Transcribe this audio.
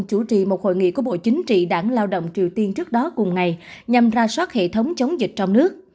chủ trì một hội nghị của bộ chính trị đảng lao động triều tiên trước đó cùng ngày nhằm ra soát hệ thống chống dịch trong nước